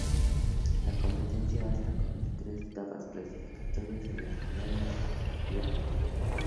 La competencia consta de tres etapas: clasificatoria, semifinales y la final.